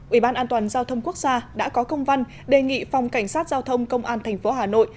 ủy ban an toàn giao thông quốc gia đã có công văn đề nghị phòng cảnh sát giao thông công an tp hà nội